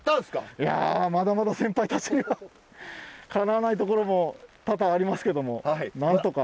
いやまだまだ先輩たちにはかなわないところも多々ありますけどもなんとか。